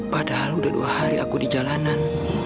padahal udah dua hari aku di jalanan